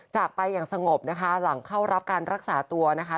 จากไปอย่างสงบนะคะหลังเข้ารับการรักษาตัวนะคะ